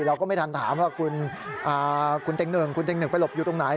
เราก็ไม่ทันถามว่าคุณเต้งหนึ่งไปหลบอยู่ตรงไหน